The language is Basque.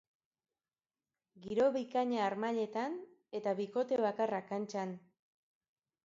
Giro bikaina harmailetan eta bikote bakarra kantxan.